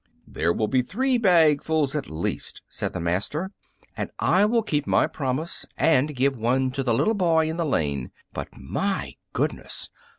"There will be three bagsful at the least," said the master, "and I will keep my promise and give one to the little boy in the lane. But, my goodness!